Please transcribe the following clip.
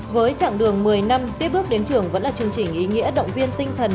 với chặng đường một mươi năm tiếp bước đến trường vẫn là chương trình ý nghĩa động viên tinh thần